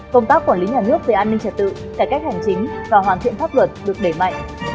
công tác quản lý nhà nước về an ninh trật tự cải cách hành chính và hoàn thiện pháp luật được đẩy mạnh